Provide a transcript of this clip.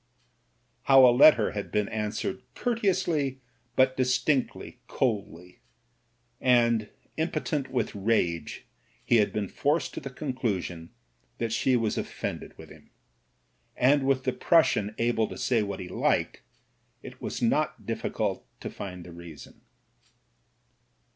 How a letter had been answered cour teously but distinctly coldly, and, impotent with rage, he had been forced to the conclusion that she was of fended with him. And with the Prussian able to say what he liked, it was not difficult to find the reason.